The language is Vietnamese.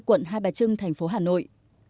quận hai bà trưng thành phố hà nội